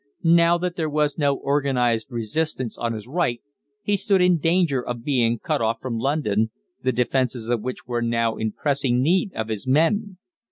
Now that there was no organised resistance on his right, he stood in danger of being cut off from London, the defences of which were now in pressing need of his men.